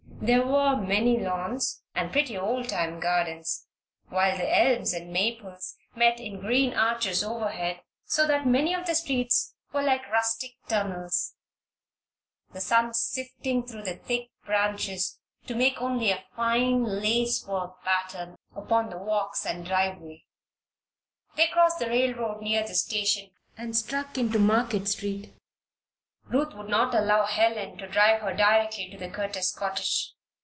There were many lawns and pretty, old time gardens, while the elms and maples met in green arches overhead so that many of the streets were like rustic tunnels, the sun sifting through the thick branches to make only a fine, lacework pattern upon the walks and driveway. They crossed the railroad near the station and struck into Market Street. Ruth would not allow Helen to drive her directly to the Curtis cottage.